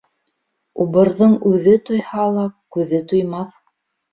Убырҙың үҙе туйһа ла, күҙе туймаҫ.